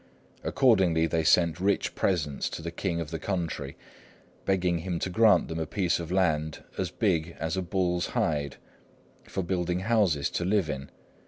Accordingly, they sent rich presents to the king of the country, begging him to grant them a piece of land as big as a bull's hide, for building houses to live in.